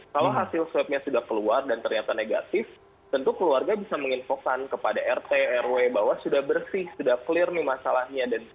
kalau hasil swabnya sudah keluar dan ternyata negatif tentu keluarga bisa menginfokan kepada rt rw bahwa sudah bersih sudah clear nih masalahnya